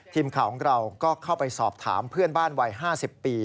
ทีมข่าวของเราก็เข้าไปสอบถามเพื่อนบ้านวัย๕๐ปี